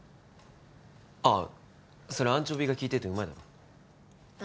ああそれアンチョビが効いててうまいだろあ